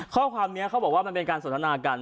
ข้อความนี้เขาบอกว่ามันเป็นการสนทนากัน